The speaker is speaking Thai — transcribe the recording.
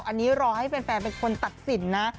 อันนี้รอให้แฟนเป็นคนตัดสินนะ